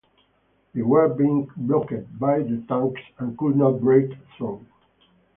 They were being blocked by the tanks and could not break through.